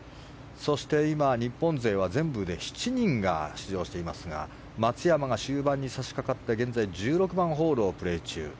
そして今、日本勢は全部で７人が出場していますが松山が終盤に差し掛かって現在１６番ホールをプレー中。